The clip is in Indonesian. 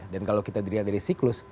dan kalau kita lihat dari siklus